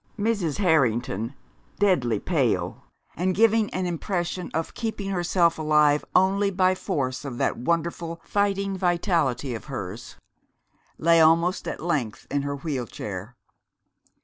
Mrs. Harrington, deadly pale, and giving an impression of keeping herself alive only by force of that wonderful fighting vitality of hers, lay almost at length in her wheel chair.